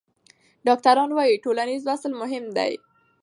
ډاکټران وايي ټولنیز وصل مهم دی.